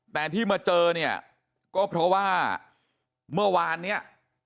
แต่ที่มาเจอเนี่ยก็เพราะว่าเมื่อวานเนี่ย